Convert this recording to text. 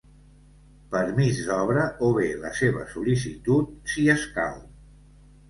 Permís d'obra o bé la seva sol·licitud, si escau.